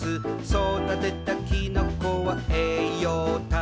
「そだてたきのこはえいようたっぷり」